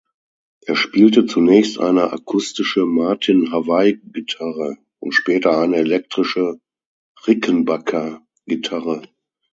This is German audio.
Er spielte zunächst eine akustische Martin Hawaii-Gitarre und später eine elektrische Rickenbacker Gitarre.